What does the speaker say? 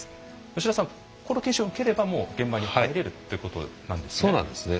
吉田さん、この研修を受ければもう現場に入れるっていうことなんですね。